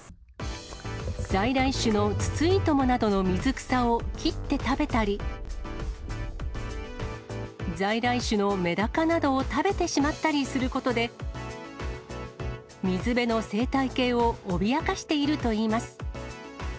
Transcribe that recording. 在来種のツツイトモなどの水草を切って食べたり、在来種のメダカなどを食べてしまったりすることで、水辺の生態系を脅かしているといいます。